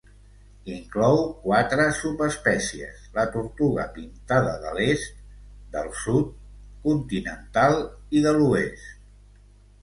Inclou quatre subespècies: la tortuga pintada de l'est, del sud, continental, i de l'oest.